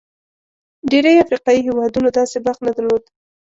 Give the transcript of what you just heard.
ډېری افریقايي هېوادونو داسې بخت نه درلود.